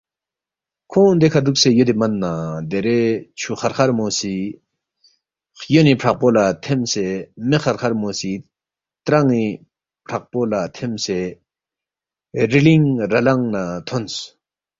کھونگ دیکھہ دُوکسے یودے من نہ دیرے چھو خرخرمو سی خیونی فرَقپو لہ تھمسے مے خرخرمو سی تران٘ی فرَقپو لہ تھمسے رِلِنگ رَلَنگ نہ تھونس